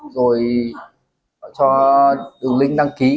rồi cho đường link đăng ký